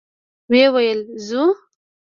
ويې ويل: ځو؟